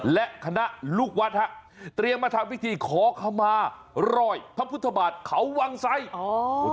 และคณะลูกวัดฮะเตรียมมาทำพิธีขอขมารอยพระพุทธบาทเขาวังไสอ๋อ